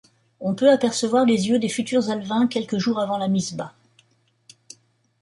On peut apercevoir les yeux des futurs alevins quelques jours avant la mise bas.